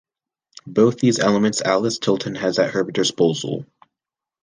Both these elements Alice Tilton has at her disposal.